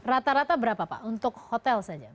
rata rata berapa pak untuk hotel saja